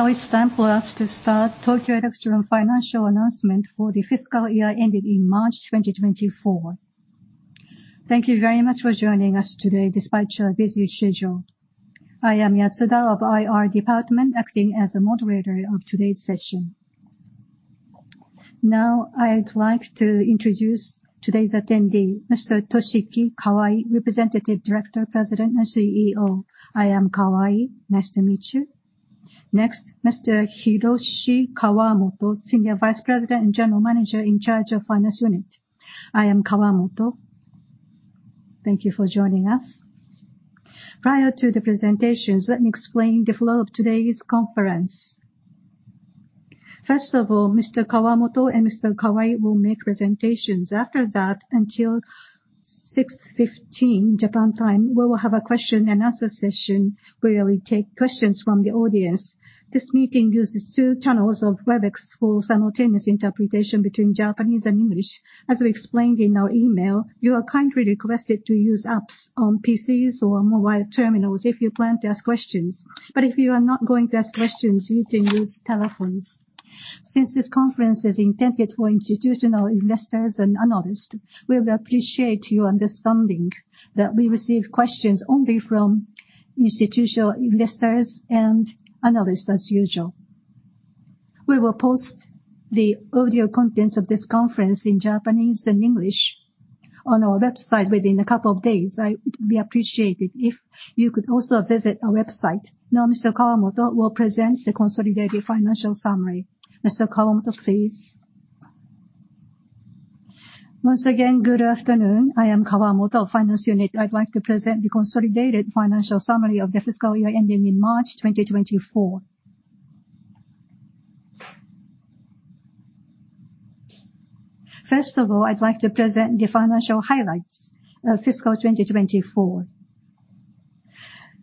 Now it's time for us to start Tokyo Electron Financial Announcement for the Fiscal Year Ending in March 2024. Thank you very much for joining us today despite your busy schedule. I am Yatsuda of IR Department, acting as a moderator of today's session. Now, I'd like to introduce today's attendee, Mr. Toshiki Kawai, Representative Director, President, and CEO. I am Kawai, nice to meet you. Next, Mr. Hiroshi Kawamoto, Senior Vice President and General Manager in charge of Finance Unit. I am Kawamoto. Thank you for joining us. Prior to the presentations, let me explain the flow of today's conference. First of all, Mr. Kawamoto and Mr. Kawai will make presentations. After that, until 6:15 P.M., Japan time, we will have a question-and-answer session, where we take questions from the audience. This meeting uses two channels of Webex for simultaneous interpretation between Japanese and English. As we explained in our email, you are kindly requested to use apps on PCs or mobile terminals if you plan to ask questions. But if you are not going to ask questions, you can use telephones. Since this conference is intended for institutional investors and analysts, we would appreciate your understanding that we receive questions only from institutional investors and analysts as usual. We will post the audio contents of this conference in Japanese and English on our website within a couple of days. We appreciate it if you could also visit our website. Now, Mr. Kawamoto will present the consolidated financial summary. Mr. Kawamoto, please. Once again, good afternoon. I am Kawamoto of finance unit. I'd like to present the consolidated financial summary of the fiscal year ending in March 2024. First of all, I'd like to present the financial highlights of fiscal 2024.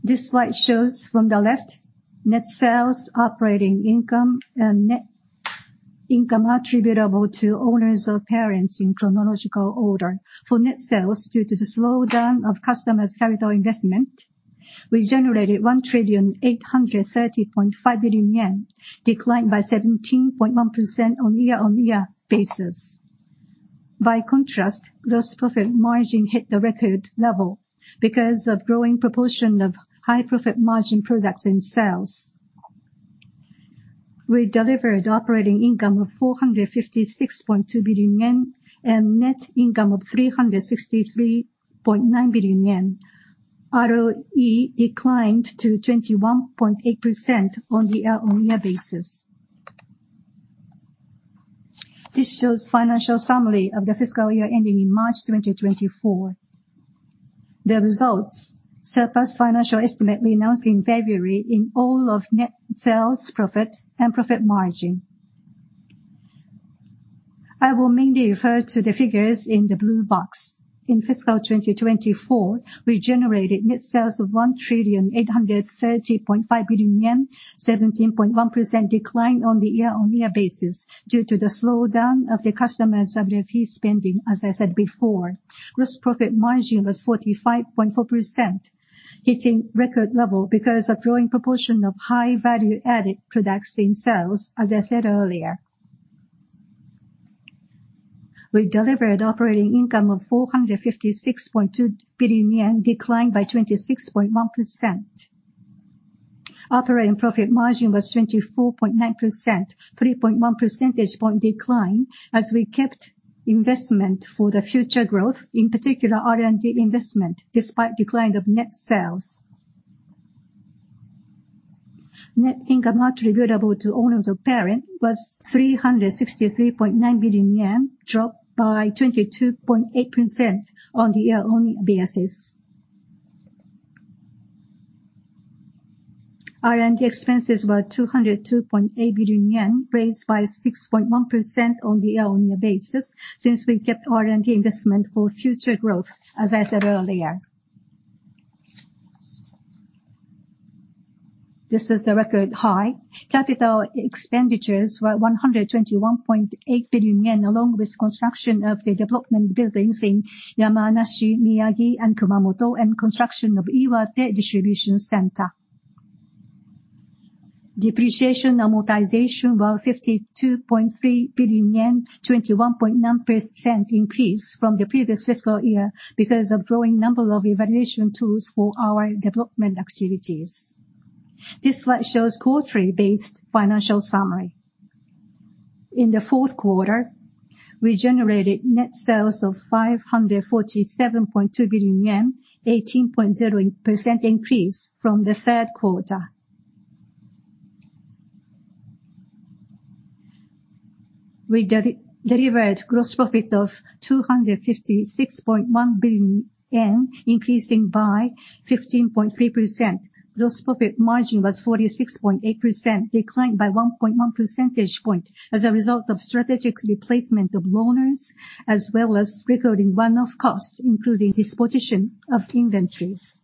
This slide shows, from the left, net sales, operating income, and net income attributable to owners of the parent in chronological order. For net sales, due to the slowdown of customers' capital investment, we generated 1,830.5 billion yen, declined by 17.1% on year-on-year basis. By contrast, gross profit margin hit the record level because of growing proportion of high profit margin products and sales. We delivered operating income of 456.2 billion yen, and net income of 363.9 billion yen. ROE declined to 21.8% on the year-on-year basis. This shows financial summary of the fiscal year ending in March 2024. The results surpassed financial estimate we announced in February in all of net sales, profit, and profit margin. I will mainly refer to the figures in the blue box. In fiscal 2024, we generated net sales of 1,830.5 billion yen, 17.1% decline on the year-on-year basis, due to the slowdown of the customer's WFE spending, as I said before. Gross profit margin was 45.4%, hitting record level because of growing proportion of high value-added products in sales, as I said earlier. We delivered operating income of 456.2 billion yen, declined by 26.1%. Operating profit margin was 24.9%, 3.1 percentage point decline, as we kept investment for the future growth, in particular, R&D investment, despite decline of net sales. Net income attributable to owner of the parent was 363.9 billion yen, dropped by 22.8% on the year-on-year basis. R&D expenses were 202.8 billion yen, raised by 6.1% on the year-on-year basis, since we kept R&D investment for future growth, as I said earlier. This is the record high. Capital expenditures were 121.8 billion yen, along with construction of the development buildings in Yamanashi, Miyagi, and Kumamoto, and construction of Iwate distribution center. Depreciation and amortization were JPY 52.3 billion, 21.9% increase from the previous fiscal year, because of growing number of evaluation tools for our development activities. This slide shows quarterly-based financial summary. In Q4, we generated net sales of 547.2 billion yen, 18.0% increase from Q3. We delivered gross profit of 256.1 billion yen, increasing by 15.3%. Gross profit margin was 46.8%, declined by 1.1 percentage points as a result of strategic replacement of loaners, as well as recording one-off costs, including disposition of inventories.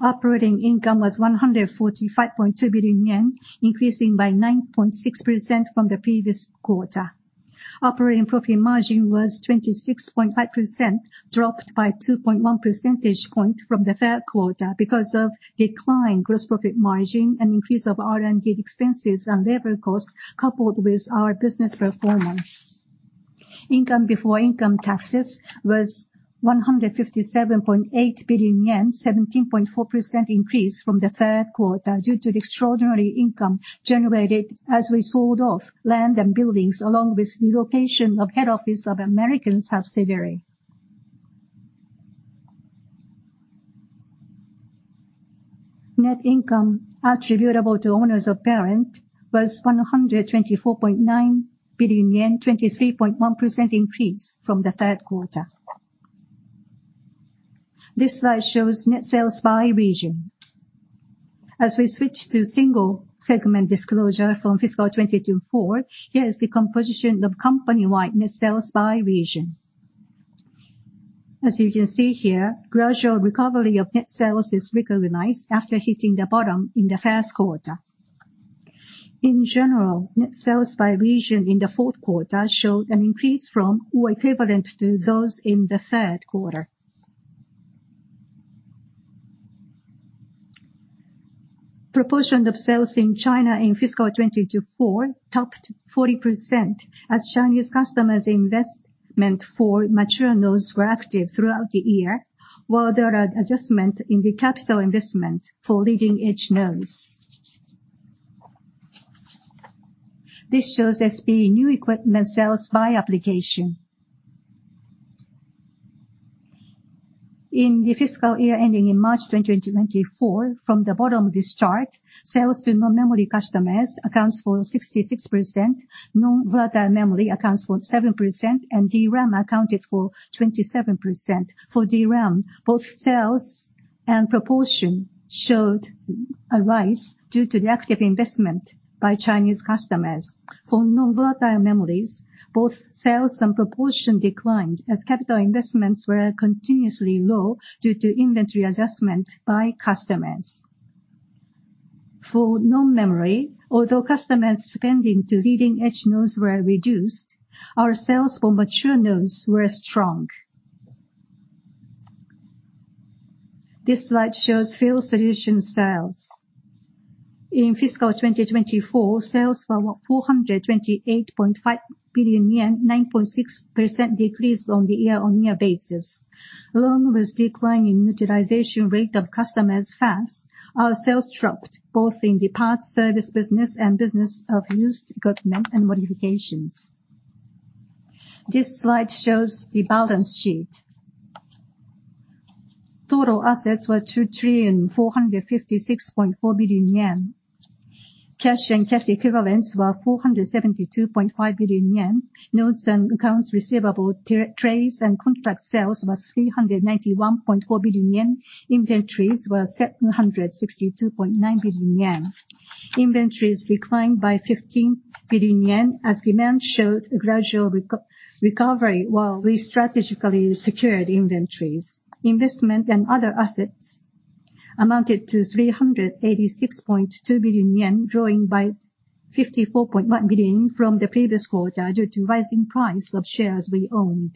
Operating income was 145.2 billion yen, increasing by 9.6% from the previous quarter. Operating profit margin was 26.5%, dropped by 2.1 percentage points from Q3 because of declined gross profit margin and increase of R&D expenses and labor costs, coupled with our business performance. Income before income taxes was 157.8 billion yen, 17.4% increase from Q3, due to the extraordinary income generated as we sold off land and buildings, along with relocation of head office of American subsidiary. Net income attributable to owners of parent was 124.9 billion yen, 23.1% increase from Q3. This slide shows net sales by region. As we switch to single segment disclosure from fiscal 2024, here is the composition of company-wide net sales by region. As you can see here, gradual recovery of net sales is recognized after hitting the bottom in Q1. In general, net sales by region in Q4 showed an increase from or equivalent to those in Q3. Proportion of sales in China in fiscal 2024 topped 40%, as Chinese customers' investment for mature nodes were active throughout the year, while there are adjustments in the capital investment for leading-edge nodes. This shows SPE new equipment sales by application. In the fiscal year ending in March 2024, from the bottom of this chart, sales to non-memory customers accounts for 66%, non-volatile memory accounts for 7%, and DRAM accounted for 27%. For DRAM, both sales and proportion showed a rise due to the active investment by Chinese customers. For non-volatile memories, both sales and proportion declined as capital investments were continuously low due to inventory adjustment by customers. For non-memory, although customers spending to leading-edge nodes were reduced, our sales for mature nodes were strong. This slide shows Field Solutions sales. In fiscal 2024, sales were 428.5 billion yen, 9.6% decrease on the year-on-year basis. Along with decline in utilization rate of customers' fabs, our sales dropped both in the parts service business and business of used equipment and modifications. This slide shows the balance sheet. Total assets were 2,456.4 billion yen. Cash and cash equivalents were 472.5 billion yen. Notes and accounts receivable, trades and contract sales were 391.4 billion yen. Inventories were 762.9 billion yen. Inventories declined by 15 billion yen, as demand showed a gradual recovery, while we strategically secured inventories. Investment and other assets amounted to 386.2 billion yen, growing by 54.1 billion from the previous quarter, due to rising price of shares we owned.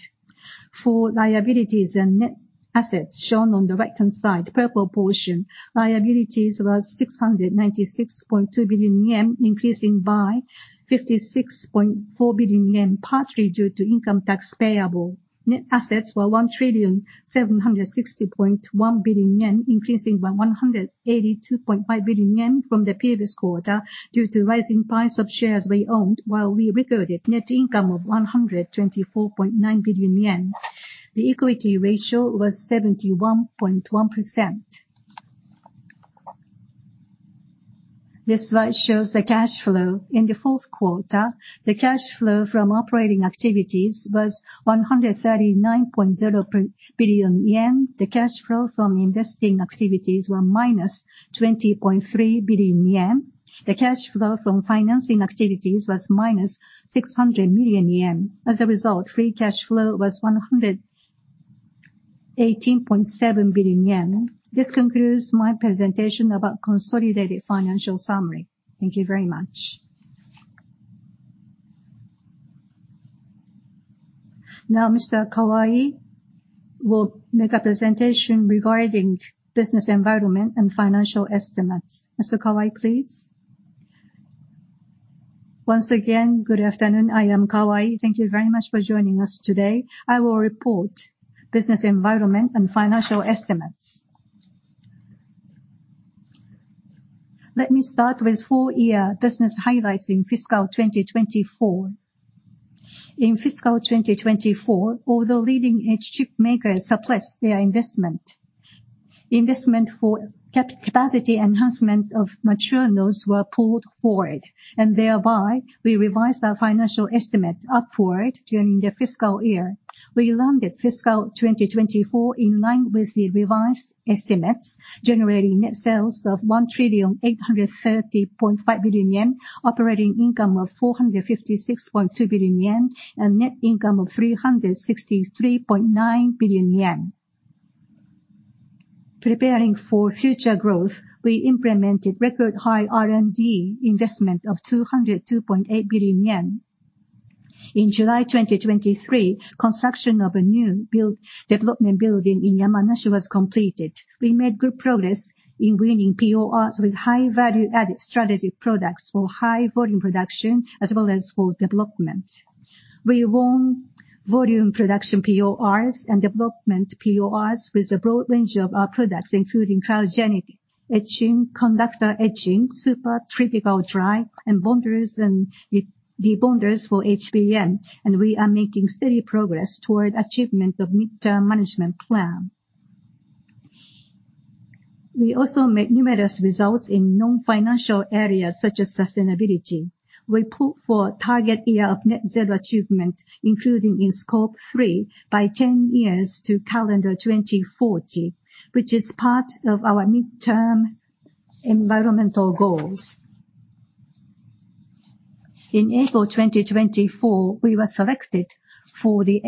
For liabilities and net assets, shown on the right-hand side, purple portion, liabilities were 696.2 billion yen, increasing by 56.4 billion yen, partly due to income tax payable. Net assets were 1,760.1 billion yen, increasing by 182.5 billion yen from the previous quarter due to rising price of shares we owned, while we recorded net income of 124.9 billion yen. The equity ratio was 71.1%. This slide shows the cash flow. In Q4, the cash flow from operating activities was 139.0 billion yen. The cash flow from investing activities were -20.3 billion yen. The cash flow from financing activities was -600 million yen. As a result, free cash flow was 118.7 billion yen. This concludes my presentation about consolidated financial summary. Thank you very much. Now, Mr. Kawai will make a presentation regarding business environment and financial estimates. Mr. Kawai, please? Once again, good afternoon. I am Kawai. Thank you very much for joining us today. I will report business environment and financial estimates. Let me start with full year business highlights in fiscal 2024. In fiscal 2024, all the leading-edge chip makers suppressed their investment. Investment for capacity enhancement of mature nodes were pulled forward, and thereby, we revised our financial estimate upward during the fiscal year. We landed fiscal 2024 in line with the revised estimates, generating net sales of 1,830.5 billion yen, operating income of 456.2 billion yen, and net income of 363.9 billion yen. Preparing for future growth, we implemented record high R&D investment of 202.8 billion yen. In July 2023, construction of a new development building in Yamanashi was completed. We made good progress in winning PORs with high value-added strategic products for high volume production, as well as for development. We won volume production PORs and development PORs with a broad range of our products, including cryogenic etching, conductor etching, supercritical dry, and bonders and de-bonders for HBM, and we are making steady progress toward achievement of midterm management plan. We also make numerous results in non-financial areas, such as sustainability. We put forward target year of net zero achievement, including in Scope 3, by 10 years to calendar 2040, which is part of our midterm environmental goals. In April 2024, we were selected for the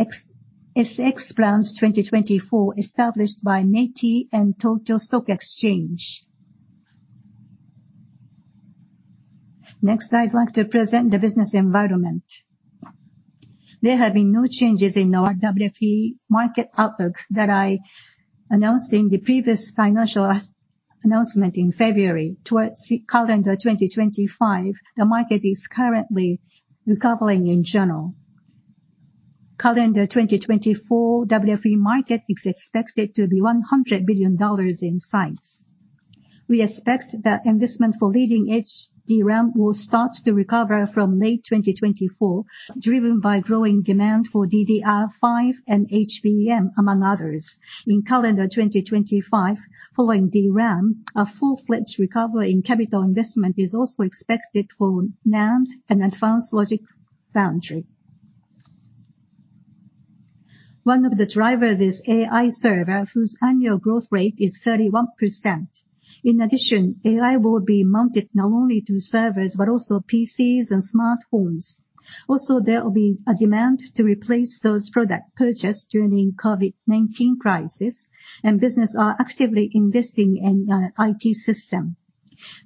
SX Brands 2024, established by METI and Tokyo Stock Exchange. Next, I'd like to present the business environment. There have been no changes in our WFE market outlook that I announced in the previous financial announcement in February. Towards calendar 2025, the market is currently recovering in general. Calendar 2024, WFE market is expected to be $100 billion in size. We expect that investment for leading-edge DRAM will start to recover from late 2024, driven by growing demand for DDR5 and HBM, among others. In calendar 2025, following DRAM, a full-fledged recovery in capital investment is also expected for NAND and advanced logic foundry. One of the drivers is AI server, whose annual growth rate is 31%. In addition, AI will be mounted not only to servers but also PCs and smartphones. Also, there will be a demand to replace those product purchased during COVID-19 crisis, and business are actively investing in IT system.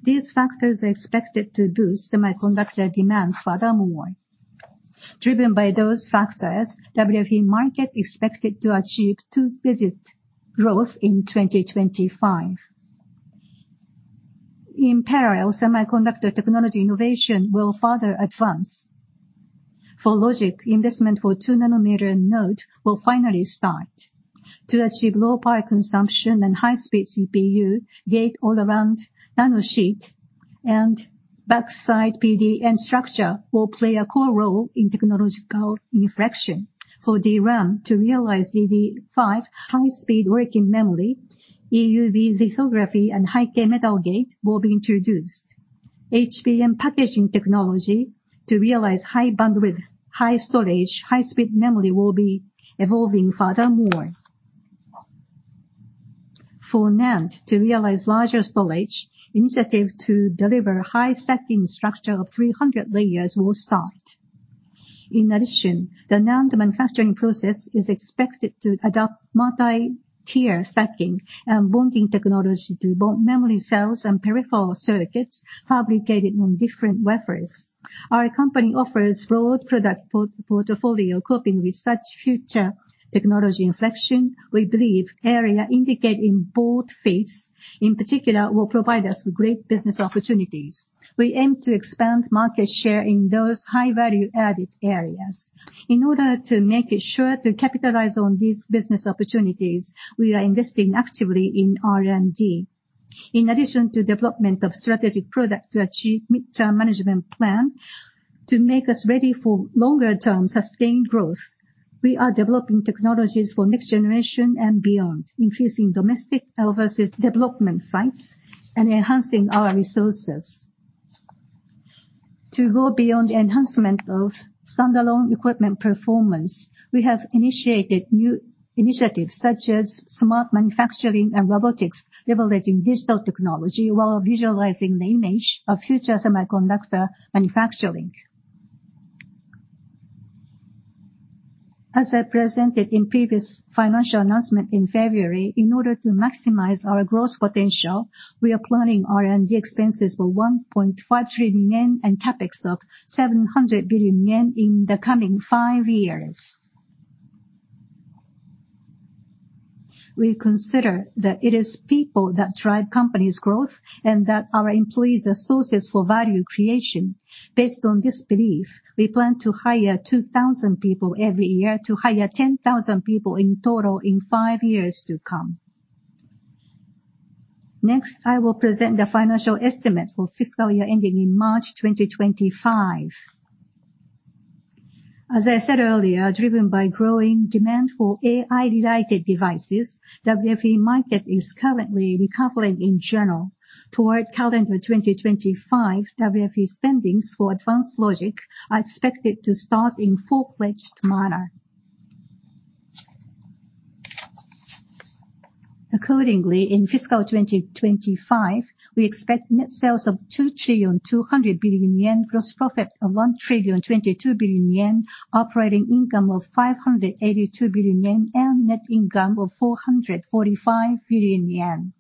These factors are expected to boost semiconductor demand furthermore. Driven by those factors, WFE market expected to achieve two-digit growth in 2025. In parallel, semiconductor technology innovation will further advance. For logic, investment for 2-nanometer node will finally start. To achieve low power consumption and high-speed CPU, gate-all-around nanosheet and backside PDN structure will play a core role in technological inflection. For DRAM, to realize DDR5 high-speed working memory, EUV lithography and high-K metal gate will be introduced. HBM packaging technology to realize high bandwidth, high storage, high-speed memory will be evolving furthermore. For NAND, to realize larger storage, initiative to deliver high stacking structure of 300 layers will start. In addition, the NAND manufacturing process is expected to adopt multi-tier stacking and bonding technology to bond memory cells and peripheral circuits fabricated on different wafers. Our company offers broad product portfolio, coping with such future technology inflection. We believe area indicated in both phase, in particular, will provide us with great business opportunities. We aim to expand market share in those high-value-added areas. In order to make sure to capitalize on these business opportunities, we are investing actively in R&D. In addition to development of strategic products to achieve midterm management plan, to make us ready for longer-term sustained growth, we are developing technologies for next generation and beyond, increasing domestic R&D development sites and enhancing our resources. To go beyond the enhancement of standalone equipment performance, we have initiated new initiatives, such as smart manufacturing and robotics, leveraging digital technology while visualizing the image of future semiconductor manufacturing. As I presented in previous financial announcement in February, in order to maximize our growth potential, we are planning R&D expenses for 1.5 trillion yen and CapEx of 700 billion yen in the coming five years. We consider that it is people that drive company's growth and that our employees are sources for value creation. Based on this belief, we plan to hire 2,000 people every year, to hire 10,000 people in total in five years to come. Next, I will present the financial estimate for fiscal year ending in March 2025. As I said earlier, driven by growing demand for AI-related devices, WFE market is currently recovering in general. Toward calendar 2025, WFE spendings for advanced logic are expected to start in full-fledged manner. Accordingly, in fiscal 2025, we expect net sales of 2.2 trillion, gross profit of 1.022 trillion, operating income of 582 billion yen, and net income of 445 billion yen.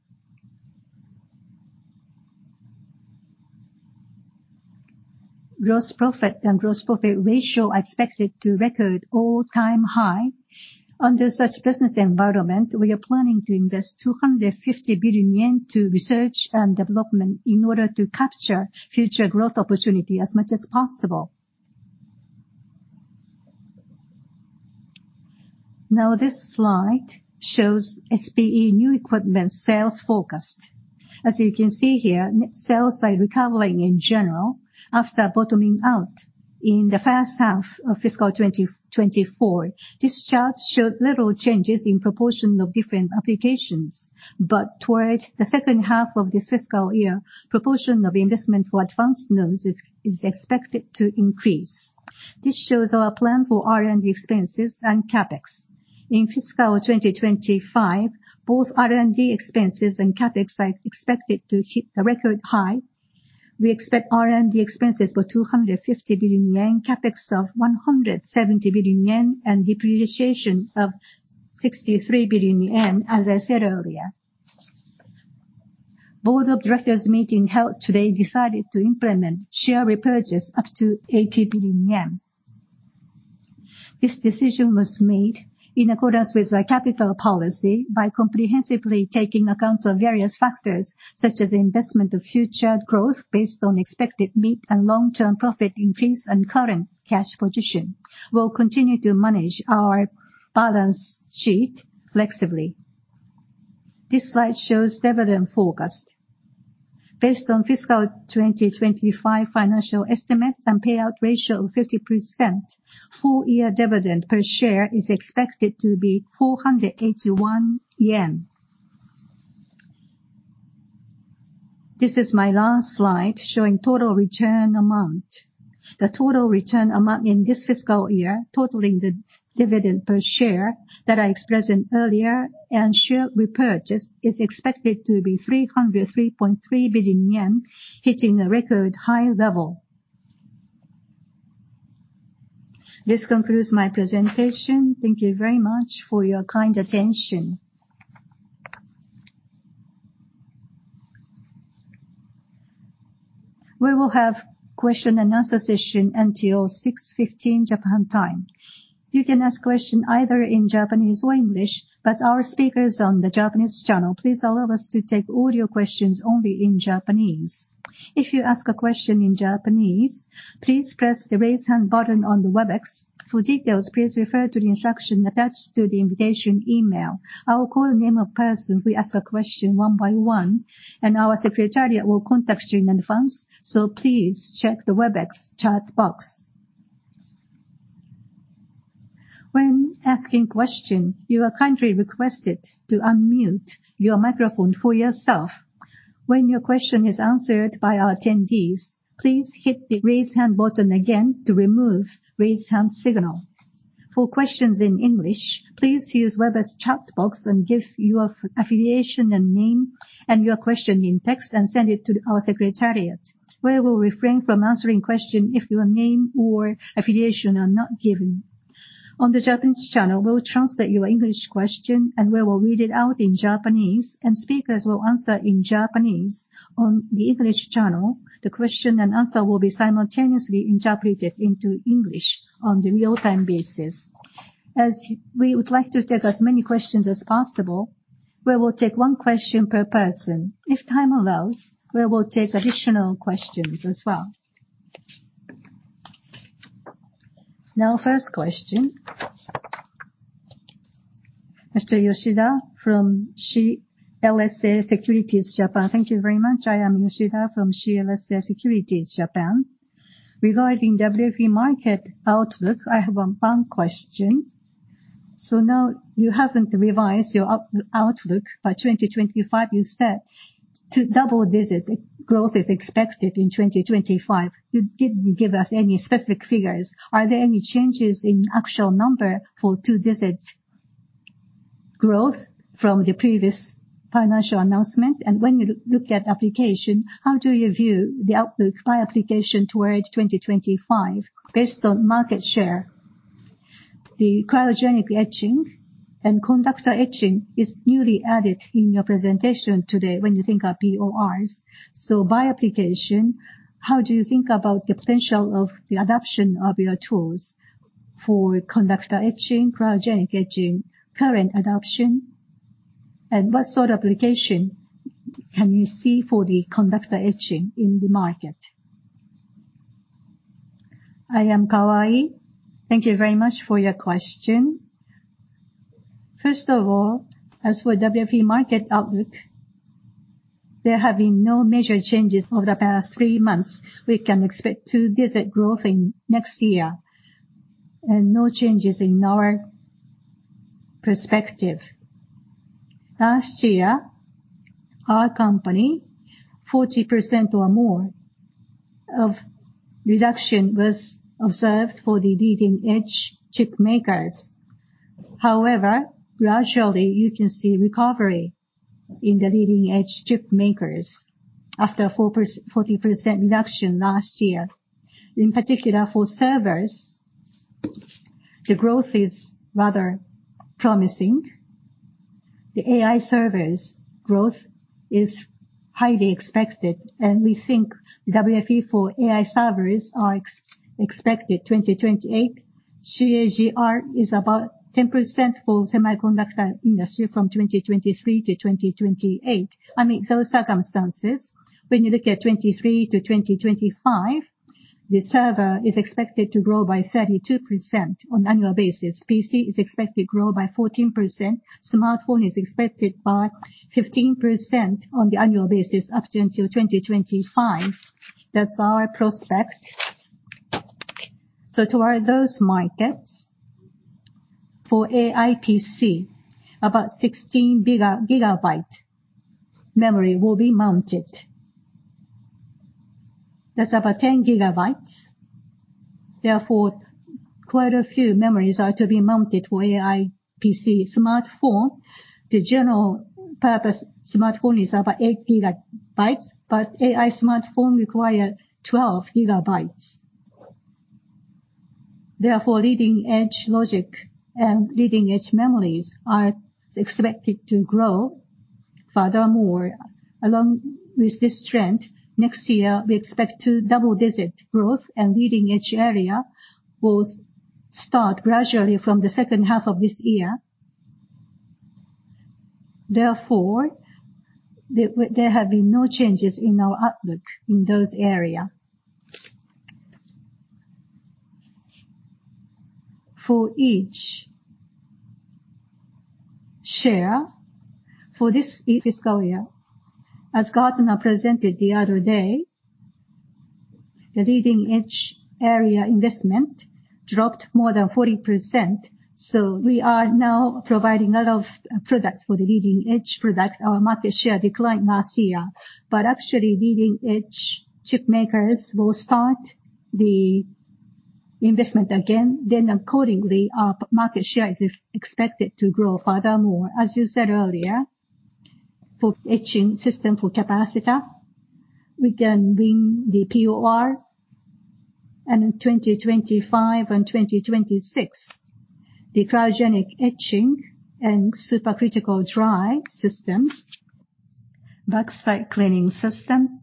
Gross profit and gross profit ratio are expected to record all-time high. Under such business environment, we are planning to invest 250 billion yen to research and development in order to capture future growth opportunity as much as possible. Now, this slide shows SPE new equipment sales forecast. As you can see here, sales are recovering in general after bottoming out in the first half of fiscal 2024. This chart shows little changes in proportion of different applications, but towards the second half of this fiscal year, proportion of investment for advanced nodes is expected to increase. This shows our plan for R&D expenses and CapEx. In fiscal 2025, both R&D expenses and CapEx are expected to hit a record high. We expect R&D expenses for 250 billion yen, CapEx of 170 billion yen, and depreciation of 63 billion yen, as I said earlier. Board of Directors meeting held today decided to implement share repurchase up to 80 billion yen. This decision was made in accordance with our capital policy by comprehensively taking into account various factors, such as investment of future growth based on expected mid and long-term profit increase and current cash position. We'll continue to manage our balance sheet flexibly. This slide shows dividend forecast. Based on fiscal 2025 financial estimates and payout ratio of 50%, full year dividend per share is expected to be 481 yen. This is my last slide, showing total return amount. The total return amount in this fiscal year, totaling the dividend per share that I expressed earlier, and share repurchase, is expected to be 303.3 billion yen, hitting a record high level. This concludes my presentation. Thank you very much for your kind attention. We will have question and answer session until 6:15 P.M. Japan time. You can ask question either in Japanese or English, but our speakers on the Japanese channel, please allow us to take all your questions only in Japanese. If you ask a question in Japanese, please press the Raise Hand button on the Webex. For details, please refer to the instruction attached to the invitation email. I will call the name of person who ask a question one by one, and our secretariat will contact you in advance, so please check the Webex chat box. When asking question, you are kindly requested to unmute your microphone for yourself. When your question is answered by our attendees, please hit the Raise Hand button again to remove raise hand signal. For questions in English, please use Webex chat box and give your affiliation and name and your question in text, and send it to our secretariat. We will refrain from answering question if your name or affiliation are not given. On the Japanese channel, we'll translate your English question, and we will read it out in Japanese, and speakers will answer in Japanese. On the English channel, the question and answer will be simultaneously interpreted into English on the real-time basis. As we would like to take as many questions as possible, we will take one question per person. If time allows, we will take additional questions as well. Now, first question. Mr. Yoshida from CLSA Securities Japan. Thank you very much. I am Yoshida from CLSA Securities Japan. Regarding WFE market outlook, I have one fun question. So now you haven't revised your outlook. By 2025, you said, "To double-digit growth is expected in 2025." You didn't give us any specific figures. Are there any changes in actual number for two-digit growth from the previous financial announcement? And when you look at application, how do you view the outlook by application toward 2025 based on market share? The cryogenic etching and conductor etching is newly added in your presentation today when you think of PORs. So by application, how do you think about the potential of the adoption of your tools for conductor etching, cryogenic etching, current adoption, and what sort of application can you see for the conductor etching in the market? I am Kawai. Thank you very much for your question. First of all, as for WFE market outlook, there have been no major changes over the past three months. We can expect two-digit growth in next year, and no changes in our perspective. Last year, our company, 40% or more of reduction was observed for the leading-edge chip makers. However, gradually, you can see recovery in the leading-edge chip makers after 40% reduction last year. In particular, for servers. The growth is rather promising. The AI servers growth is highly expected, and we think the WFE for AI servers are expected 2028. CAGR is about 10% for semiconductor industry from 2023 to 2028. I mean, those circumstances, when you look at 2023 to 2025, the server is expected to grow by 32% on annual basis. PC is expected to grow by 14%, smartphone is expected by 15% on the annual basis up until 2025. That's our prospect. So toward those markets, for AI PC, about 16 GB memory will be mounted. That's about 10 GB. Therefore, quite a few memories are to be mounted for AI PC. Smartphone, the general purpose smartphone is about 8 GB, but AI smartphone require 12 GB. Therefore, leading-edge logic and leading-edge memories are expected to grow. Furthermore, along with this trend, next year, we expect to double-digit growth, and leading-edge area will start gradually from the second half of this year. Therefore, there have been no changes in our outlook in those areas. For each share, for this fiscal year, as Gartner presented the other day, the leading-edge area investment dropped more than 40%, so we are now providing a lot of products for the leading-edge product. Our market share declined last year, but actually, leading-edge chip makers will start the investment again. Then accordingly, our market share is expected to grow furthermore. As you said earlier, for etching system for capacitor, we can bring the POR. And in 2025 and 2026, the cryogenic etching and supercritical dry systems, backside cleaning system.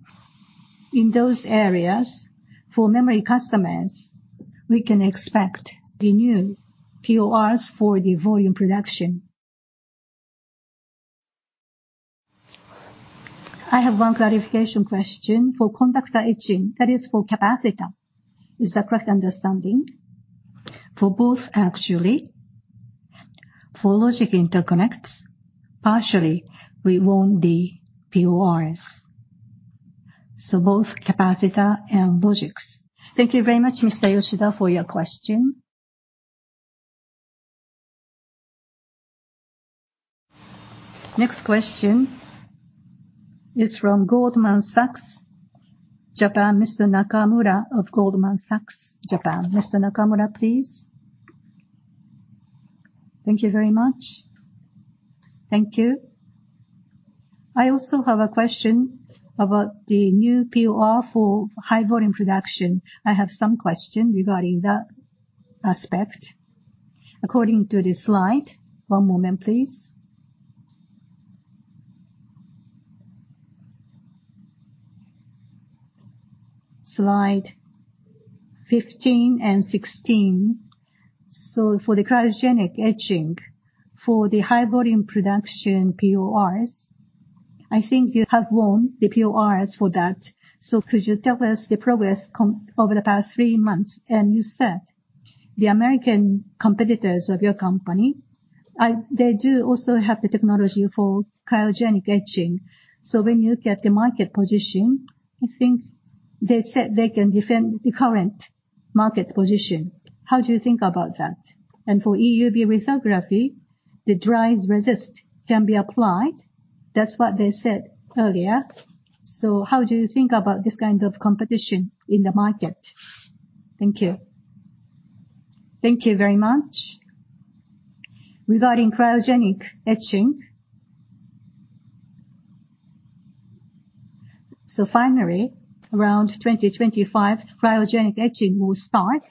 In those areas, for memory customers, we can expect the new PORs for the volume production. I have one clarification question. For conductor etching, that is for capacitor, is that correct understanding? For both, actually. For logic interconnects, partially, we want the PORs. So both capacitor and logics. Thank you very much, Mr. Yoshida, for your question. Next question is from Goldman Sachs Japan, Mr. Nakamura of Goldman Sachs Japan. Mr. Nakamura, please. Thank you very much. Thank you. I also have a question about the new POR for high volume production. I have some question regarding that aspect. According to this slide, one moment, please. Slide 15 and 16. So for the cryogenic etching, for the high volume production PORs, I think you have won the PORs for that. So could you tell us the progress over the past 3 months? And you said the American competitors of your company, they do also have the technology for cryogenic etching. So when you look at the market position, I think they said they can defend the current market position. How do you think about that? For EUV lithography, the dry resist can be applied. That's what they said earlier. So how do you think about this kind of competition in the market? Thank you. Thank you very much. Regarding cryogenic etching... So finally, around 2025, cryogenic etching will start.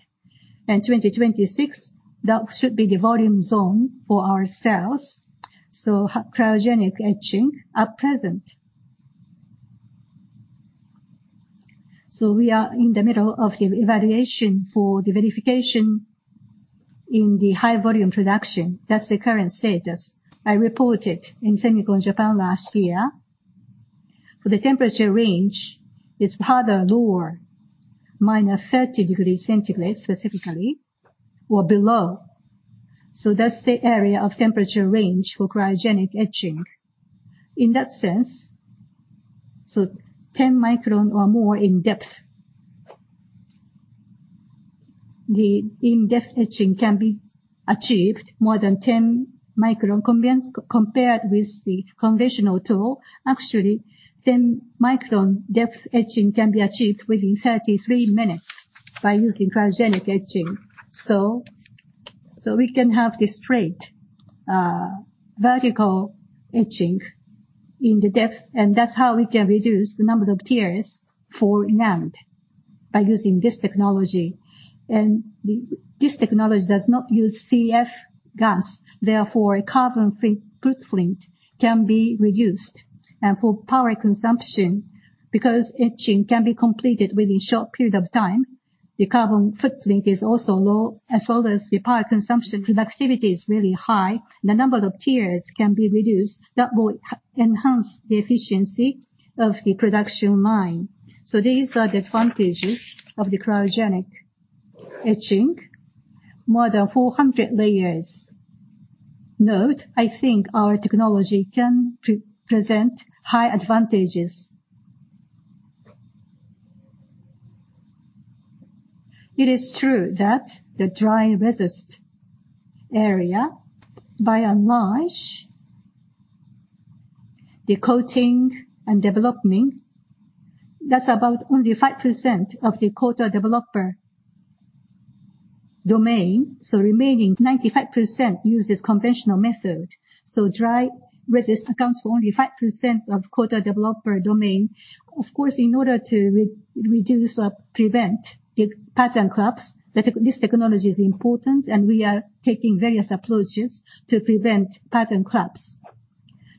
In 2026, that should be the volume zone for ourselves. So cryogenic etching are present. So we are in the middle of the evaluation for the verification in the high volume production. That's the current status. I reported in SEMICON Japan last year, for the temperature range, is rather lower, -30 degrees Celsius, specifically, or below. So that's the area of temperature range for cryogenic etching. In that sense, so 10 micron or more in depth, the in-depth etching can be achieved more than 10 micron compared with the conventional tool. Actually, 10-micron depth etching can be achieved within 33 minutes by using cryogenic etching. So, so we can have the straight, vertical etching in the depth, and that's how we can reduce the number of tiers for NAND, by using this technology. And the, this technology does not use CF gas, therefore, carbon footprint can be reduced. And for power consumption, because etching can be completed within short period of time, the carbon footprint is also low, as well as the power consumption productivity is really high. The number of tiers can be reduced. That will enhance the efficiency of the production line. So these are the advantages of the cryogenic etching. More than 400 layers. Note, I think our technology can present high advantages. It is true that the dry resist area by and large, the coating and development, that's about only 5% of the coater developer domain, so remaining 95% uses conventional method. Dry resist accounts for only 5% of coater developer domain. Of course, in order to reduce or prevent the pattern collapse, this technology is important, and we are taking various approaches to prevent pattern collapse.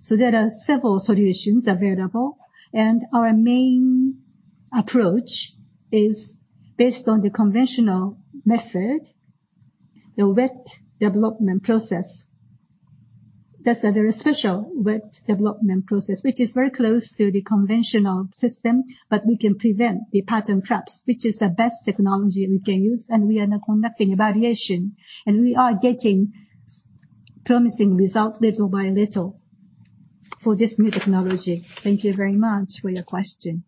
There are several solutions available, and our main approach is based on the conventional method, the wet development process. That's a very special wet development process, which is very close to the conventional system, but we can prevent the pattern collapse, which is the best technology we can use, and we are now conducting a variation, and we are getting promising result little by little for this new technology. Thank you very much for your question.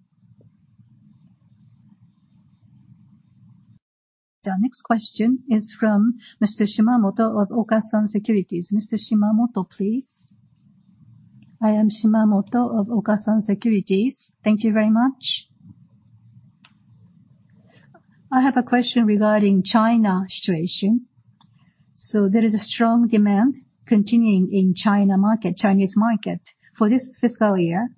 The next question is from Mr. Shimamoto of Okasan Securities. Mr. Shimamoto, please. I am Shimamoto of Okasan Securities. Thank you very much. I have a question regarding China situation. So there is a strong demand continuing in China market, Chinese market. For this fiscal year,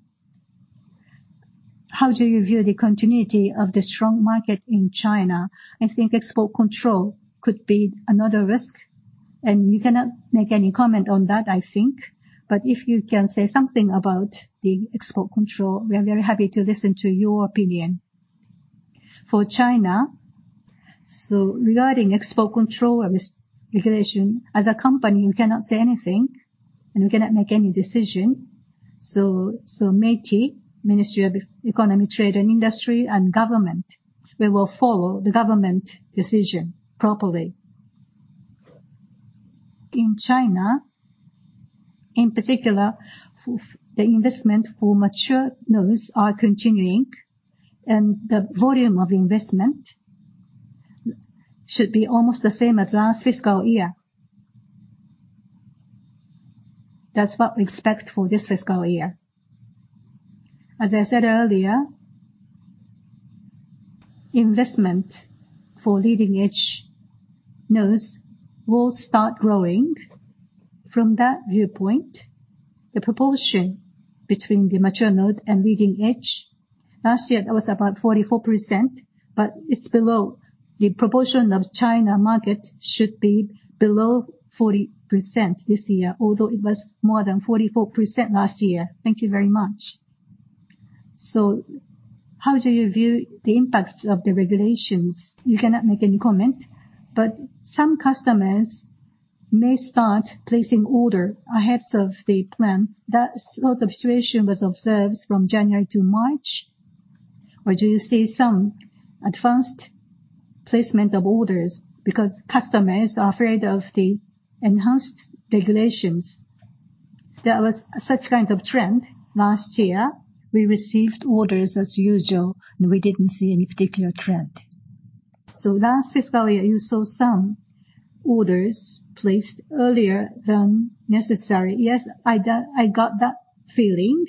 how do you view the continuity of the strong market in China? I think export control could be another risk, and you cannot make any comment on that, I think. But if you can say something about the export control, we are very happy to listen to your opinion. For China, so regarding export control and re-regulation, as a company, we cannot say anything, and we cannot make any decision. So, so METI, Ministry of Economy, Trade and Industry, and government, we will follow the government decision properly. In China, in particular, for the investment for mature nodes are continuing, and the volume of investment should be almost the same as last fiscal year. That's what we expect for this fiscal year. As I said earlier, investment for leading-edge nodes will start growing. From that viewpoint, the proportion between the mature node and leading edge, last year that was about 44%, but it's below. The proportion of China market should be below 40% this year, although it was more than 44% last year. Thank you very much. So how do you view the impacts of the regulations? You cannot make any comment, but some customers may start placing order ahead of the plan. That sort of situation was observed from January to March. Or do you see some advanced placement of orders because customers are afraid of the enhanced regulations? There was such kind of trend last year. We received orders as usual, and we didn't see any particular trend. So last fiscal year, you saw some orders placed earlier than necessary? Yes, I got that feeling.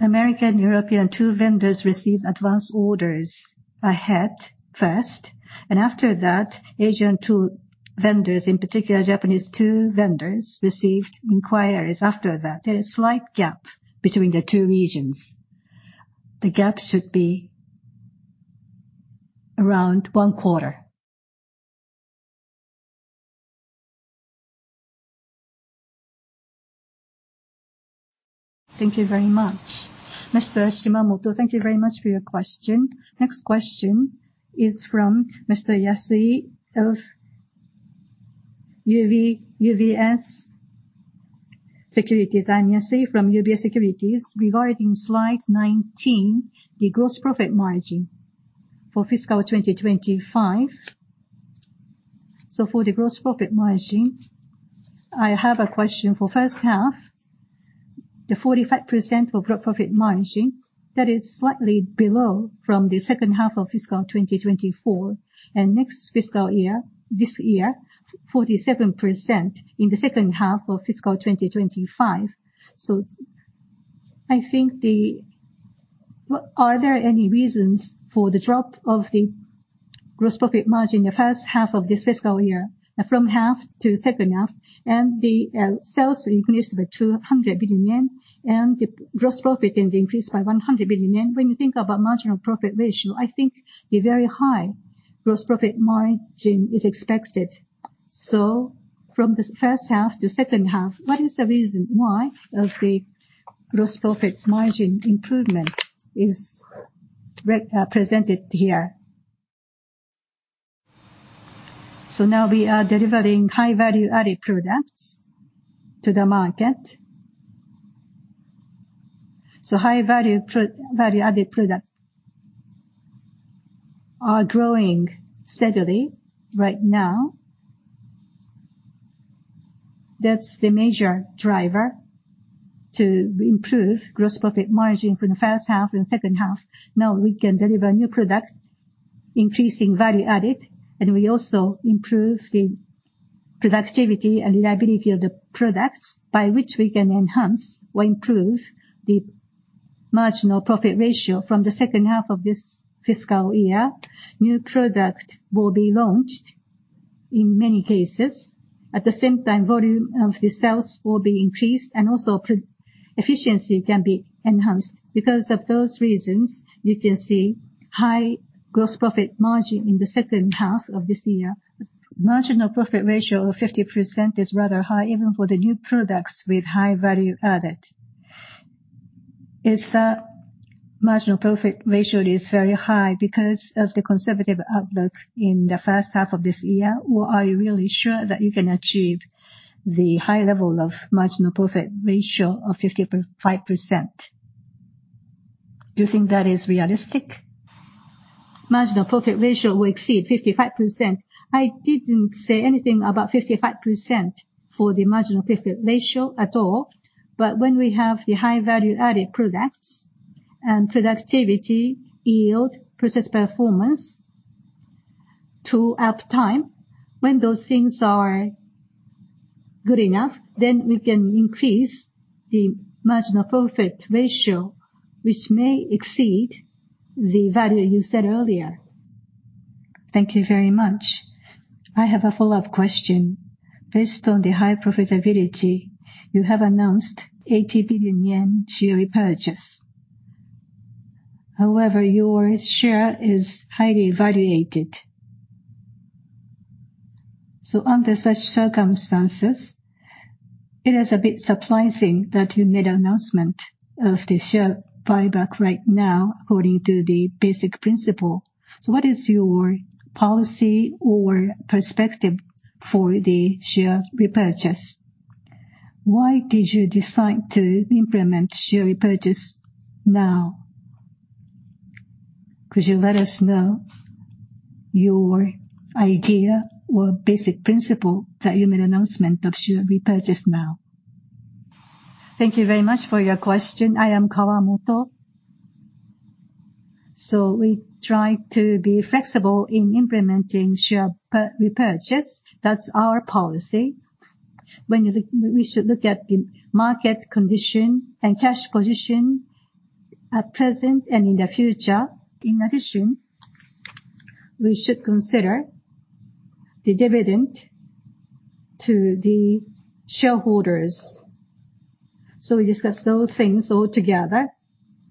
American, European, two vendors received advanced orders ahead first, and after that, Asian two vendors, in particular, Japanese two vendors, received inquiries after that. There is slight gap between the two regions. The gap should be around one quarter. Thank you very much. Mr. Shimamoto, thank you very much for your question. Next question is from Mr. Yasui of UBS Securities. I'm Yasui from UBS Securities. Regarding slide 19, the gross profit margin for fiscal 2025. So for the gross profit margin, I have a question. For first half, the 45% gross profit margin, that is slightly below from the second half of fiscal 2024, and next fiscal year, this year, forty-seven percent in the second half of fiscal 2025. So I think... Are there any reasons for the drop of the gross profit margin in the first half of this fiscal year from half to second half? And the sales increased by 200 billion yen, and the gross profit is increased by 100 billion yen. When you think about marginal profit ratio, I think the very high gross profit margin is expected. So from the first half to second half, what is the reason why of the gross profit margin improvement is presented here? So now we are delivering high value-added products to the market. High-value value-added products are growing steadily right now. That's the major driver to improve gross profit margin from the first half and second half. Now we can deliver new products, increasing value added, and we also improve the productivity and reliability of the products, by which we can enhance or improve the marginal profit ratio. From the second half of this fiscal year, new products will be launched in many cases. At the same time, volume of the sales will be increased, and also efficiency can be enhanced. Because of those reasons, you can see high gross profit margin in the second half of this year. Marginal profit ratio of 50% is rather high, even for the new products with high value added. Is the marginal profit ratio very high because of the conservative outlook in the first half of this year, or are you really sure that you can achieve the high level of marginal profit ratio of 55%? Do you think that is realistic? Marginal profit ratio will exceed 55%. I didn't say anything about 55% for the marginal profit ratio at all. But when we have the high value-added products and productivity, yield, process performance to uptime, when those things are good enough, then we can increase the marginal profit ratio, which may exceed the value you said earlier. Thank you very much. I have a follow-up question. Based on the high profitability, you have announced 80 billion yen share repurchase. However, your share is highly valued. So under such circumstances, it is a bit surprising that you made an announcement of the share buyback right now, according to the basic principle. So what is your policy or perspective for the share repurchase? Why did you decide to implement share repurchase now? Could you let us know your idea or basic principle that you made announcement of share repurchase now? Thank you very much for your question. I am Kawamoto. So we try to be flexible in implementing share repurchase. That's our policy. When you look, we should look at the market condition and cash position at present and in the future. In addition, we should consider the dividend to the shareholders. So we discussed those things all together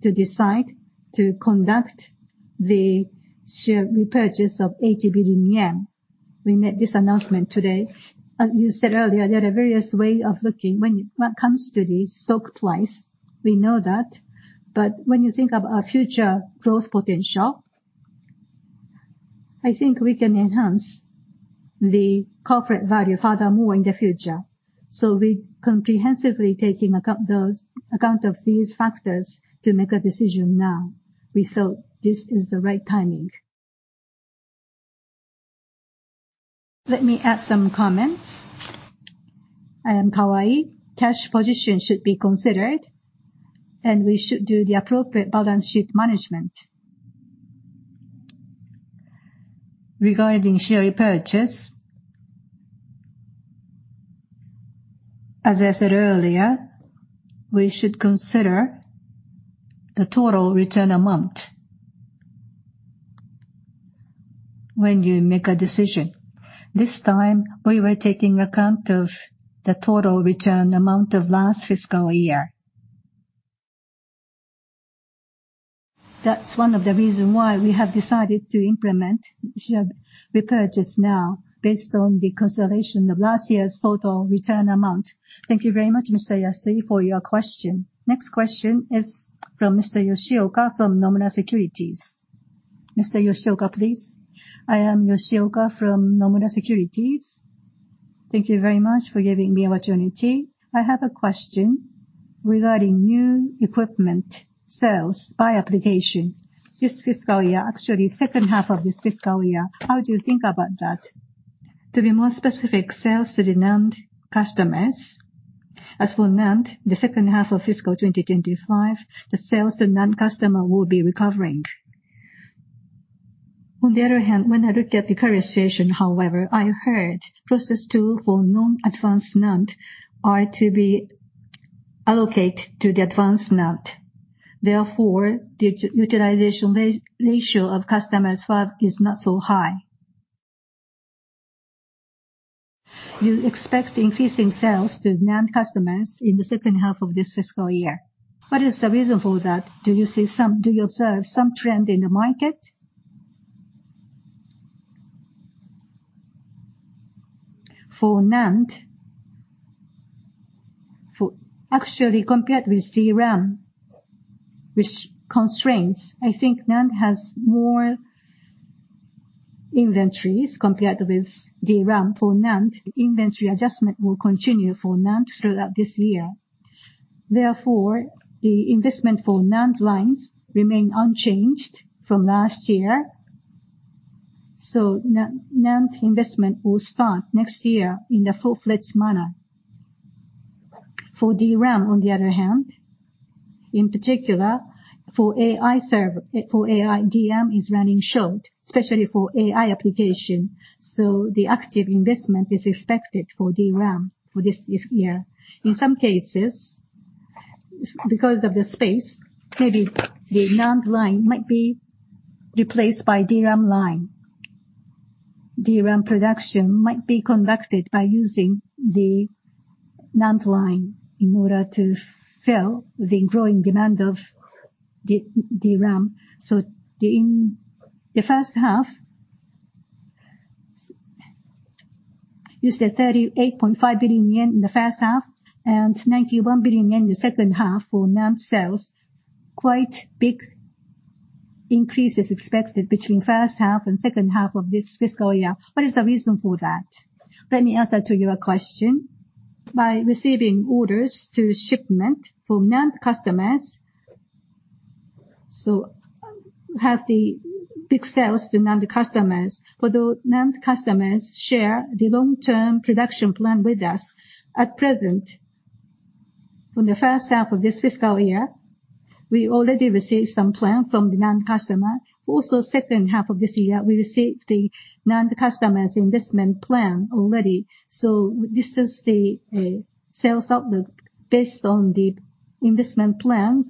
to decide to conduct the share repurchase of 80 billion yen. We made this announcement today. As you said earlier, there are various ways of looking when it comes to the stock price, we know that. But when you think of our future growth potential, I think we can enhance the corporate value furthermore in the future. So we're comprehensively taking into account those, account of these factors to make a decision now. We felt this is the right timing. Let me add some comments. I am Kawai. Cash position should be considered, and we should do the appropriate balance sheet management. Regarding share repurchase, as I said earlier, we should consider the total return amount when you make a decision. This time, we were taking into account the total return amount of last fiscal year. That's one of the reasons why we have decided to implement share repurchase now based on the consideration of last year's total return amount. Thank you very much, Mr. Yasui, for your question. Next question is from Mr. Yoshioka, from Nomura Securities. Mr. Yoshioka, please. I am Yoshioka from Nomura Securities. Thank you very much for giving me an opportunity. I have a question regarding new equipment sales by application. This fiscal year, actually second half of this fiscal year, how do you think about that? To be more specific, sales to the NAND customers. As for NAND, the second half of fiscal 2025, the sales to NAND customer will be recovering. On the other hand, when I look at the conversation, however, I heard process tool for non-advanced NAND are to be allocated to the advanced NAND. Therefore, the utilization ratio of customers fab is not so high. You expect increasing sales to NAND customers in the second half of this fiscal year. What is the reason for that? Do you observe some trend in the market for NAND? Actually, compared with DRAM, which constraints, I think NAND has more inventories compared with DRAM. For NAND, inventory adjustment will continue for NAND throughout this year. Therefore, the investment for NAND lines remain unchanged from last year. So NAND investment will start next year in a full-fledged manner. For DRAM, on the other hand, in particular, for AI server, for AI, DRAM is running short, especially for AI application. So the active investment is expected for DRAM for this year. In some cases, because of the space, maybe the NAND line might be replaced by DRAM line. DRAM production might be conducted by using the NAND line in order to fill the growing demand of DRAM. So, in the first half, you said 38.5 billion yen in the first half and 91 billion yen in the second half for NAND sales. Quite big increase is expected between first half and second half of this fiscal year. What is the reason for that? Let me answer to your question. By receiving orders to shipment from NAND customers, so we have the big sales to NAND customers. For the NAND customers share the long-term production plan with us. At present, from the first half of this fiscal year, we already received some plan from the NAND customer. Also, second half of this year, we received the NAND customer's investment plan already. So this is the sales output based on the investment plans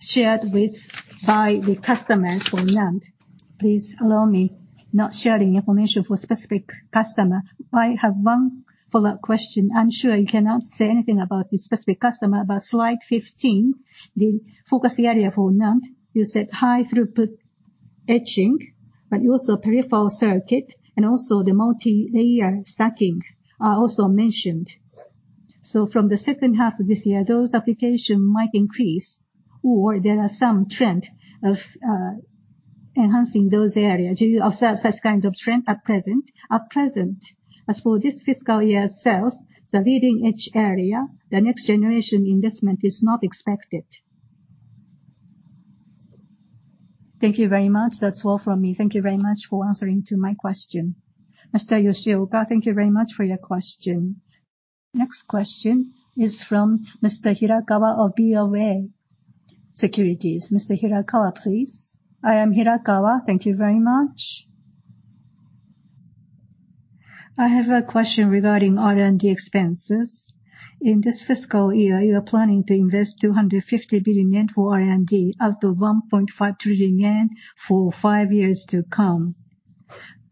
shared with, by the customers for NAND. Please allow me not sharing information for specific customer. I have one follow-up question. I'm sure you cannot say anything about the specific customer, but slide 15, the focus area for NAND, you said high throughput etching, but also peripheral circuit, and also the multilayer stacking are also mentioned. So from the second half of this year, those application might increase, or there are some trend of, enhancing those areas. Do you observe such kind of trend at present? At present, as for this fiscal year's sales, the leading edge area, the next generation investment is not expected. Thank you very much. That's all from me. Thank you very much for answering to my question. Mr. Yoshioka, thank you very much for your question. Next question is from Mr. Hirakawa of BofA Securities. Mr. Hirakawa, please. I am Hirakawa. Thank you very much. I have a question regarding R&D expenses. In this fiscal year, you are planning to invest 250 billion yen for R&D, out of 1.5 trillion yen for five years to come.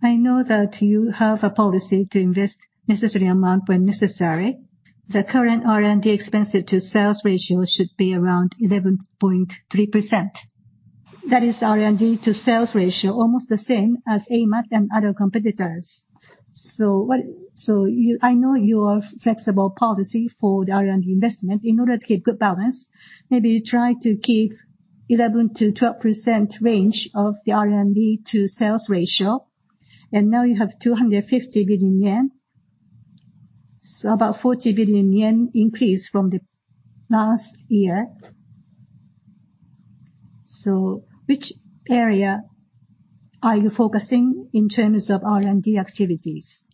I know that you have a policy to invest necessary amount when necessary. The current R&D expenses to sales ratio should be around 11.3%. That is R&D to sales ratio, almost the same as AMAT and other competitors. So you, I know you are flexible policy for the R&D investment. In order to keep good balance, maybe you try to keep 11% to 12% range of the R&D to sales ratio, and now you have 250 billion yen, so about 40 billion yen increase from the last year. So which area are you focusing in terms of R&D activities?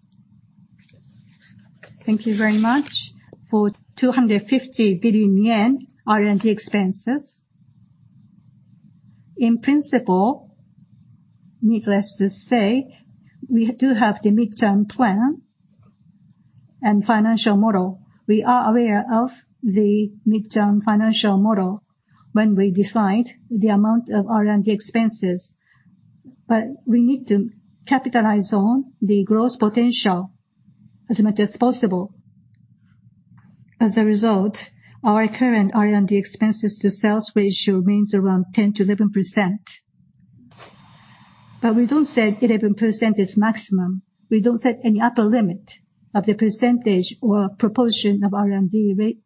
Thank you very much. For 250 billion yen R&D expenses, in principle, needless to say, we do have the midterm plan and financial model. We are aware of the midterm financial model when we decide the amount of R&D expenses, but we need to capitalize on the growth potential as much as possible. As a result, our current R&D expenses to sales ratio remains around 10% to 11%. But we don't say 11% is maximum. We don't set any upper limit of the percentage or proportion of R&D rate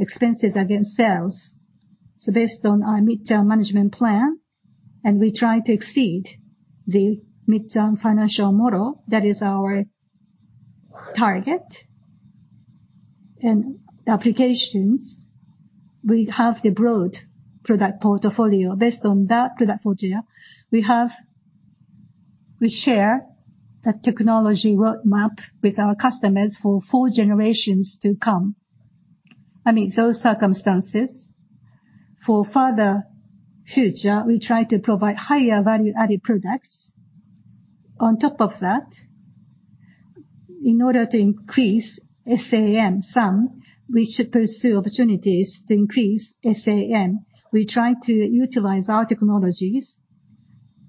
expenses against sales. So based on our midterm management plan, and we try to exceed the midterm financial model, that is our target. And applications, we have the broad product portfolio. Based on that product portfolio, we have, we share the technology roadmap with our customers for four generations to come.... I mean, those circumstances. For further future, we try to provide higher value-added products. On top of that, in order to increase SAM, we should pursue opportunities to increase SAM. We try to utilize our technologies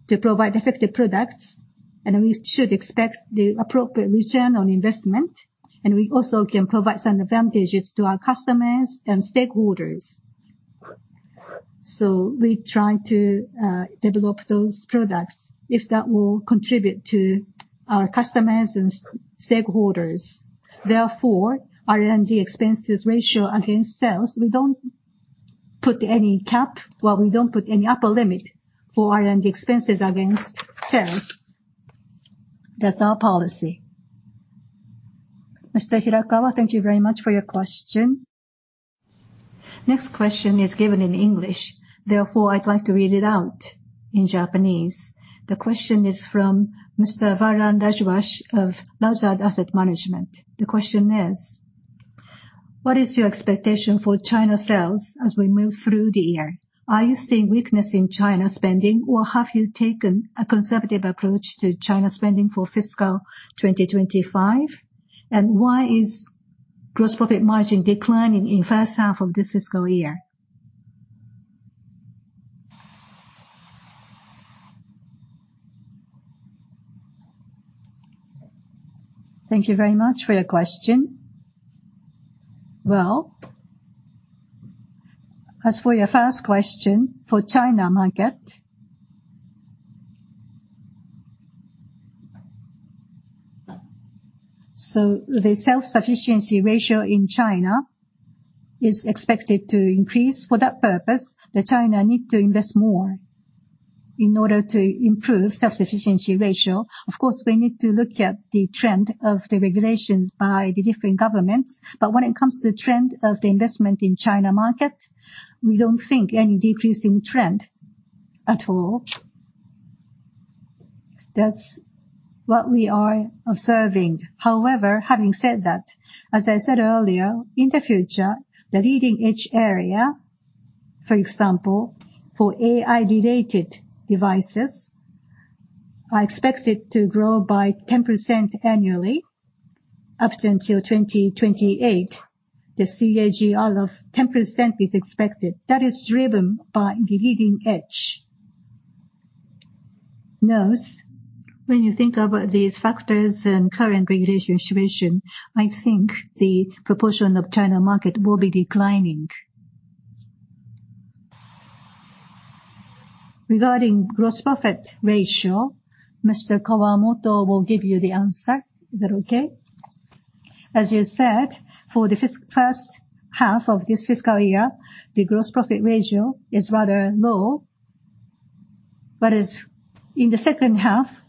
to provide effective products, and we should expect the appropriate return on investment, and we also can provide some advantages to our customers and stakeholders. So we try to develop those products if that will contribute to our customers and stakeholders. Therefore, our R&D expenses ratio against sales, we don't put any cap; well, we don't put any upper limit for R&D expenses against sales. That's our policy. Mr. Hirakawa, thank you very much for your question. Next question is given in English; therefore, I'd like to read it out in Japanese. The question is from Mr. Varun Rajwanshi of Lazard Asset Management. The question is: What is your expectation for China sales as we move through the year? Are you seeing weakness in China spending, or have you taken a conservative approach to China spending for fiscal 2025? And why is gross profit margin declining in first half of this fiscal year? Thank you very much for your question. Well, as for your first question, for China market, so the self-sufficiency ratio in China is expected to increase. For that purpose, the China need to invest more in order to improve self-sufficiency ratio. Of course, we need to look at the trend of the regulations by the different governments. But when it comes to trend of the investment in China market, we don't think any decreasing trend at all. That's what we are observing. However, having said that, as I said earlier, in the future, the leading edge area, for example, for AI-related devices, are expected to grow by 10% annually up until 2028. The CAGR of 10% is expected. That is driven by the leading edge nodes. When you think about these factors and current regulation situation, I think the proportion of China market will be declining. Regarding gross profit ratio, Mr. Kawamoto will give you the answer. Is that okay? As you said, for the first half of this fiscal year, the gross profit ratio is rather low. But as in the second half,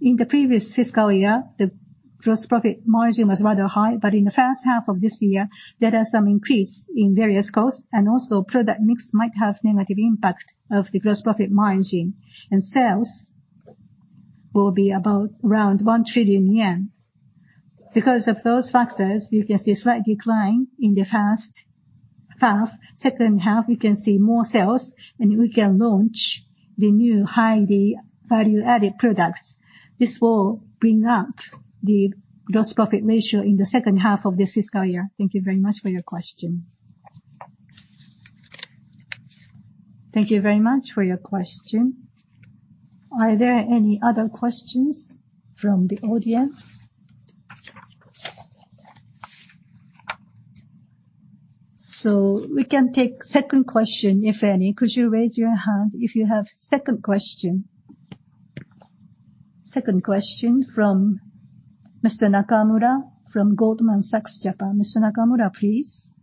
in the previous fiscal year, the gross profit margin was rather high, but in the first half of this year, there are some increase in various costs, and also product mix might have negative impact of the gross profit margin, and sales will be about around 1 trillion yen. Because of those factors, you can see a slight decline in the first half. Second half, we can see more sales, and we can launch the new highly value-added products. This will bring up the gross profit ratio in the second half of this fiscal year. Thank you very much for your question. Thank you very much for your question. Are there any other questions from the audience? So we can take second question, if any. Could you raise your hand if you have second question? Second question from Mr. Nakamura, from Goldman Sachs Japan. Mr. Nakamura, please.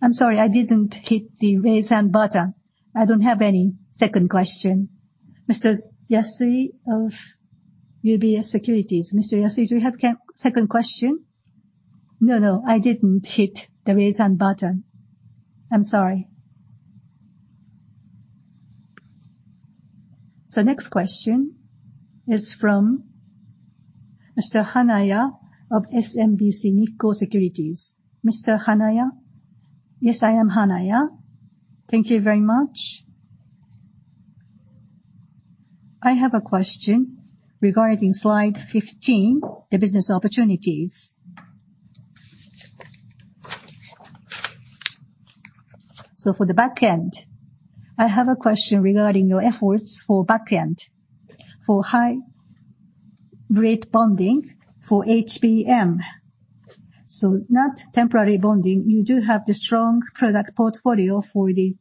I'm sorry, I didn't hit the Raise Hand button. I don't have any second question. Mr. Yasui of UBS Securities. Mr. Yasui, do you have a second question? No, no, I didn't hit the Raise Hand button. I'm sorry. So next question is from Mr. Hanaya of SMBC Nikko Securities. Mr. Hanaya? Yes, I am Hanaya. Thank you very much. I have a question regarding slide 15, the business opportunities. So for the back end, I have a question regarding your efforts for back end, for high rate bonding for HBM. So not temporary bonding, you do have the strong product portfolio for the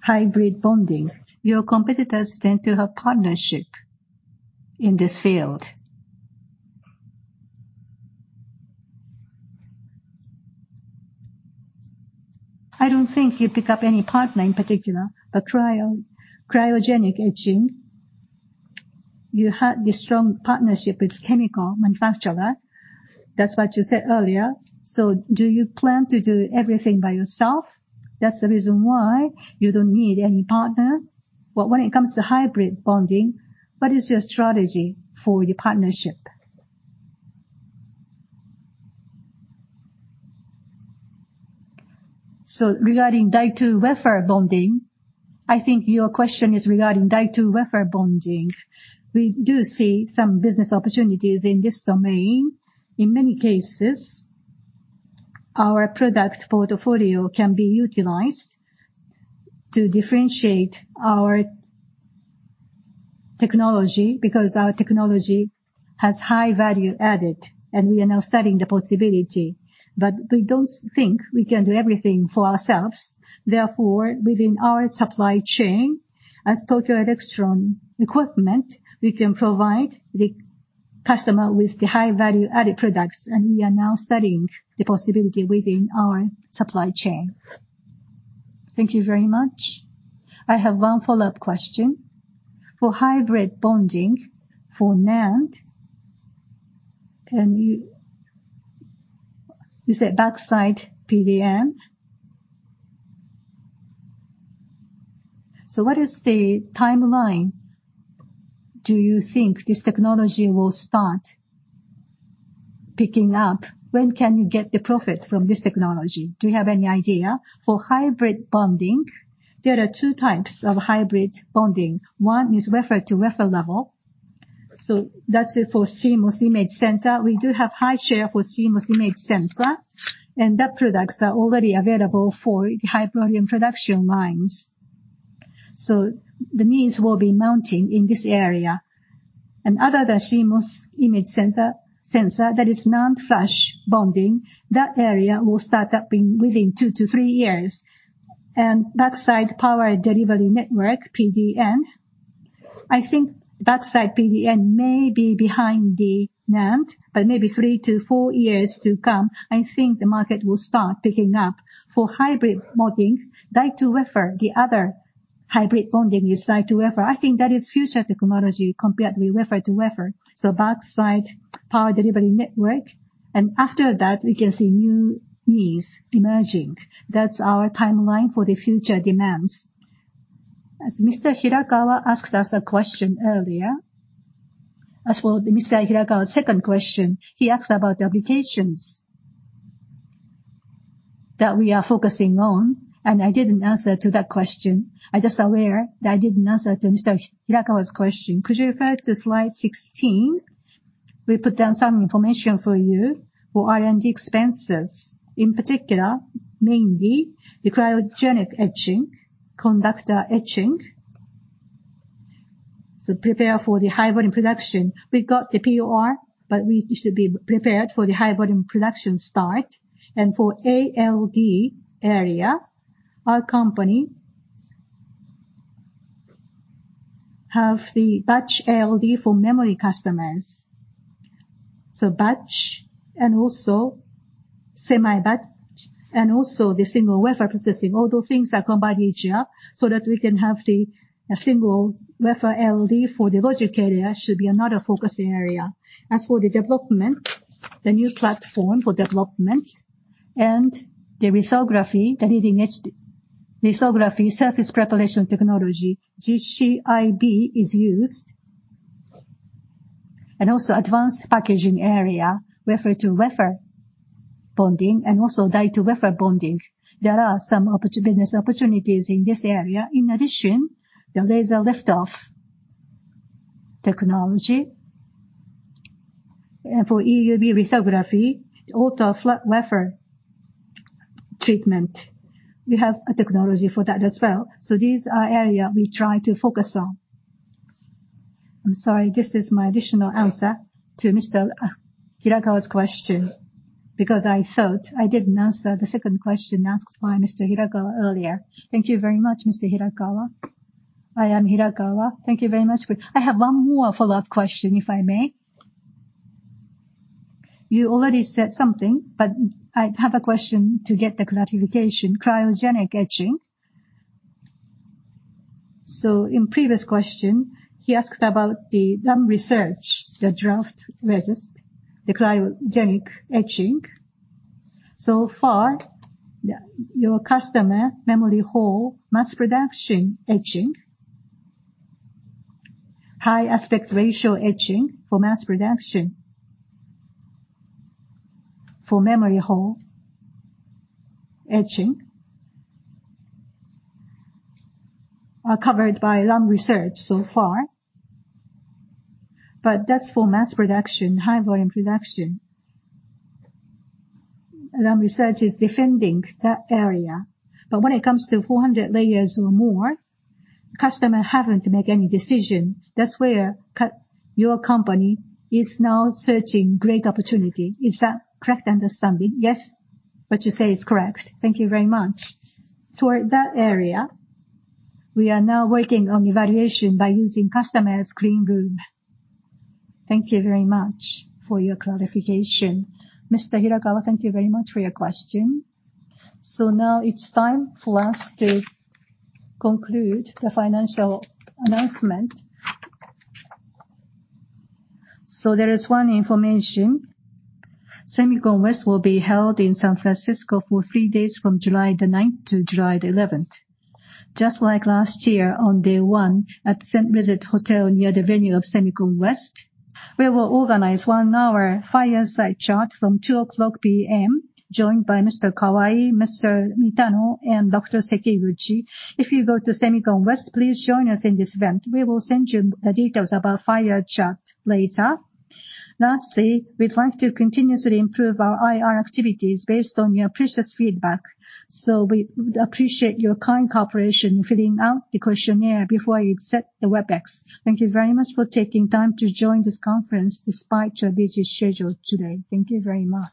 hybrid bonding. Your competitors tend to have partnership in this field. I don't think you pick up any partner in particular, but cryo, cryogenic etching, you have the strong partnership with chemical manufacturer. That's what you said earlier. So do you plan to do everything by yourself? That's the reason why you don't need any partner? But when it comes to hybrid bonding, what is your strategy for the partnership? So regarding die-to-wafer bonding, I think your question is regarding die-to-wafer bonding. We do see some business opportunities in this domain. In many cases, our product portfolio can be utilized to differentiate our technology, because our technology has high value added, and we are now studying the possibility. But we don't think we can do everything for ourselves. Therefore, within our supply chain, as Tokyo Electron equipment, we can provide the customer with the high value-added products, and we are now studying the possibility within our supply chain. Thank you very much. I have one follow-up question. For hybrid bonding for NAND, can you, you said backside PDN? So what is the timeline do you think this technology will start picking up? When can you get the profit from this technology? Do you have any idea? For hybrid bonding, there are two types of hybrid bonding. One is wafer-to-wafer level, so that's for CMOS image sensor. We do have high share for CMOS image sensor, and that products are already available for the high-volume production lines. So the needs will be mounting in this area. And other than CMOS image sensor, that is NAND flash bonding, that area will start upping within two to three years. And back side power delivery network, PDN, I think back side PDN may be behind the NAND, but maybe three to four years to come, I think the market will start picking up. For hybrid bonding, die-to-wafer, the other hybrid bonding is die-to-wafer. I think that is future technology compared to wafer-to-wafer, so backside power delivery network. And after that, we can see new needs emerging. That's our timeline for the future demands. As Mr. Hirakawa asked us a question earlier, as for Mr. Hirakawa's second question, he asked about the applications that we are focusing on, and I didn't answer to that question. I'm just aware that I didn't answer to Mr. Hirakawa's question. Could you refer to slide 16? We put down some information for you for R&D expenses, in particular, mainly the cryogenic etching, conductor etching. So prepare for the high-volume production. We've got the POR, but we should be prepared for the high-volume production start. And for ALD area, our company have the batch ALD for memory customers. So batch and also semi-batch, and also the single wafer processing. All those things are combined here so that we can have a single wafer ALD for the logic area should be another focusing area. As for the development, the new platform for development and the lithography, the leading-edge lithography, surface preparation technology, GCIB is used, and also advanced packaging area, wafer-to-wafer bonding, and also die-to-wafer bonding. There are some business opportunities in this area. In addition, the laser lift-off technology, and for EUV lithography, ultra-flat wafer treatment. We have a technology for that as well. So these are area we try to focus on. I'm sorry, this is my additional answer to Mr. Hirakawa's question, because I thought I didn't answer the second question asked by Mr. Hirakawa earlier. Thank you very much, Mr. Hirakawa. I am Hirakawa. Thank you very much. I have one more follow-up question, if I may? You already said something, but I have a question to get the clarification. Cryogenic etching. So in previous question, he asked about the Lam Research, the dry resist, the cryogenic etching. So far, the, your customer, memory hole, mass production etching, high aspect ratio etching for mass production, for memory hole etching, are covered by Lam Research so far. But that's for mass production, high volume production. Lam Research is defending that area. But when it comes to 400 layers or more, customer haven't make any decision. That's where your company is now searching great opportunity. Is that correct understanding? Yes, what you say is correct. Thank you very much. Toward that area, we are now working on evaluation by using customers cleanroom. Thank you very much for your clarification. Mr. Hirakawa, thank you very much for your question. So now it's time for us to conclude the financial announcement. So there is one information. SEMICON West will be held in San Francisco for three days, from July the ninth to July the eleventh. Just like last year, on day one, at St. Regis Hotel, near the venue of SEMICON West, we will organize one-hour fireside chat from 2:00 P.M., joined by Mr. Kawai, Mr. Mitani, and Dr. Sekiguchi. If you go to SEMICON West, please join us in this event. We will send you the details about fire chat later. Lastly, we'd like to continuously improve our IR activities based on your precious feedback, so we would appreciate your kind cooperation in filling out the questionnaire before you exit the Webex. Thank you very much for taking time to join this conference despite your busy schedule today. Thank you very much.